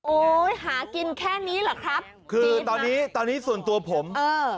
โอ้ยหากินแค่นี้เหรอครับคือตอนนี้ตอนนี้ส่วนตัวผมเออ